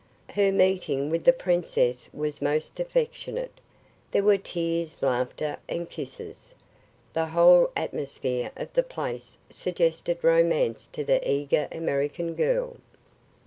Her meeting with the princess was most affectionate. There were tears, laughter and kisses. The whole atmosphere of the place suggested romance to the eager American girl.